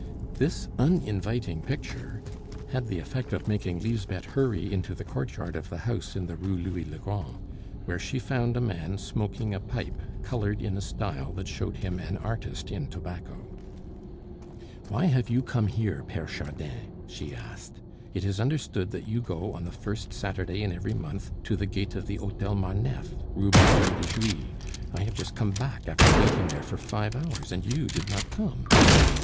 This uninviting picture had the effect of making Lisbeth hurry into the courtyard of the house in the Rue Louis le Grand, where she found a man smoking a pipe colored in a style that showed him an artist in tobacco. "Why have you come here, Pere Chardin?" she asked. "It is understood that you go, on the first Saturday in every month, to the gate of the Hotel Marneffe, Rue Barbet de Jouy. I have just come back after waiting there for five hours, and you did not come."